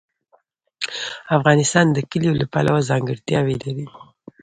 افغانستان د کلیو له پلوه ځانګړتیاوې لري.